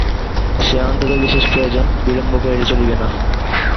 সে অত্যন্ত বিশেষ প্রয়োজন, বিলম্ব করিলে চলিবে না।